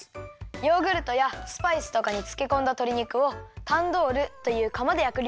ヨーグルトやスパイスとかにつけこんだとり肉をタンドールというかまでやくりょうりだよ。